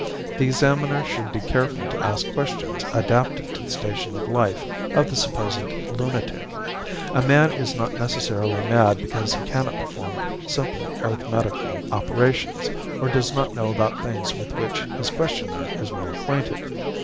The examiner should be careful to ask questions adapted to the station of life of the supposed lunatic; a man is not necessarily mad because he cannot perform simple arithmetical operations, or does not know about things with which his questioner is well acquainted.